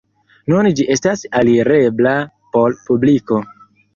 Nun ĝi estas alirebla por publiko.